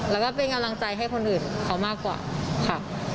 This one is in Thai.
แล้วก็เป็นกำลังใจให้คนอื่นเขามากกว่าค่ะ